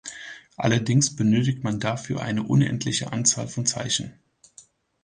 Allerdings benötigt man dafür eine unendliche Anzahl an Zeichen.